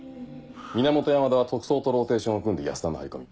源山田は特捜とローテンションを組んで安田の張り込み。